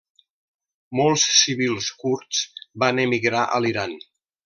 Molts civils kurds van emigrar a l'Iran.